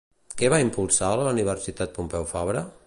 Què va impulsar a la Universitat Pompeu Fabra?